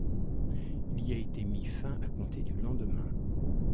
Il y a été mis fin à compter du lendemain.